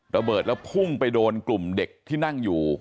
ระเบิดแล้วพุ่งไปโดนกลุ่มเด็กที่นั่งอยู่